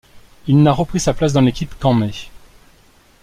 Il n'a repris sa place dans l'équipe qu'en mai.